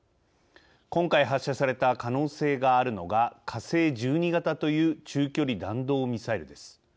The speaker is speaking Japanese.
今回発射された可能性があるのが火星１２型という中距離弾道ミサイルです。